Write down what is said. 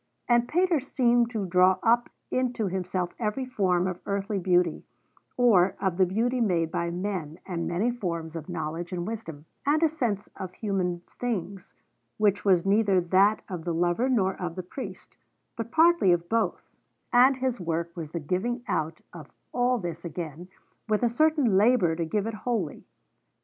And Pater seemed to draw up into himself every form of earthly beauty, or of the beauty made by men, and many forms of knowledge and wisdom, and a sense of human things which was neither that of the lover nor of the priest, but partly of both; and his work was the giving out of all this again, with a certain labour to give it wholly.